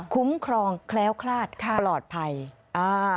คุ้มครองแคล้วคลาดค่ะปลอดภัยอ่า